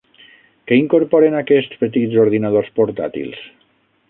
Què incorporen aquests petits ordinadors portàtils?